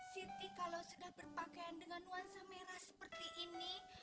siti kalau sudah berpakaian dengan nuansa merah seperti ini